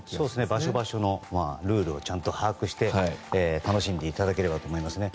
場所、場所のルールをちゃんと把握して楽しんでいただければと思いますね。